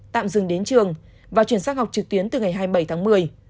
tạm dừng đến trường và chuyển sang học trực tuyến từ ngày hai mươi bảy tháng một mươi